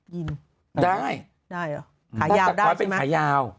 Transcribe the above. น่ะไงค่ะค่ะยาว